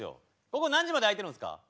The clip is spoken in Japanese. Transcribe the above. ここ何時まで開いてるんすか？